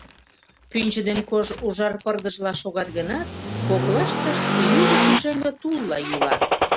Пӱнчӧ ден кож ужар пырдыжла шогат гынат, коклаштышт южо пушеҥге тулла йӱла.